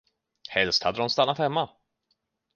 Helst hade de stannat hemma.